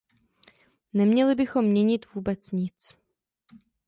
Neměli bychom měnit vůbec nic.